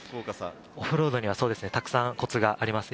オフロードにはたくさんコツがあります。